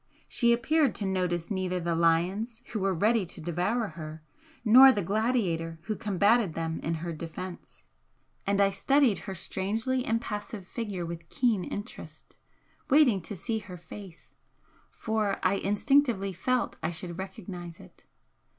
She appeared to notice neither the lions who were ready to devour her, nor the gladiator who combated them in her defence and I studied her strangely impassive figure with keen interest, waiting to see her face, for I instinctively felt I should recognise it.